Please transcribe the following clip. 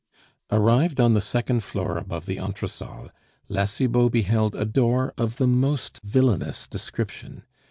Arrived on the second floor above the entresol, La Cibot beheld a door of the most villainous description.